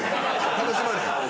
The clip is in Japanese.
楽しまれへん。